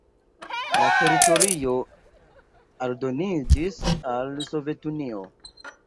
La teritorio aldoniĝis al Sovetunio.